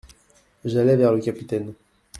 J'allai vers le capitaine.